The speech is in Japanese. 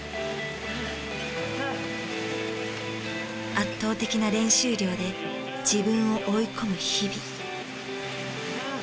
圧倒的な練習量で自分を追い込む日々。